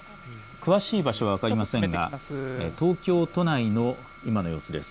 詳しい場所は分かりませんが東京都内の今の様子です。